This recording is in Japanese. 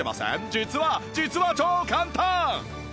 実は実は超簡単！